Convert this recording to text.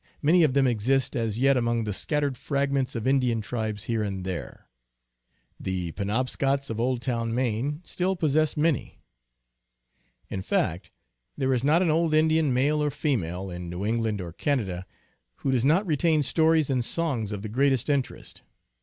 Many of them exist as yet among the scattered fragments of Indian tribes here and there. The Penobscots of Oldtown, Maine, still possess many. In fact, there is not an old Indian, male or female, in New England or Canada who does not retain stories and songs of the greatest interest.